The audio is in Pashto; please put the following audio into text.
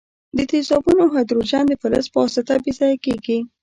د تیزابونو هایدروجن د فلز په واسطه بې ځایه کیږي.